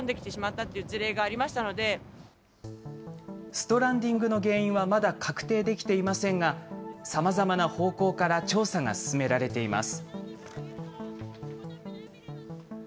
ストランディングの原因はまだ確定できていませんが、さまざまな方向から調査が進められています。